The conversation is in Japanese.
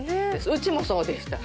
うちもそうでした。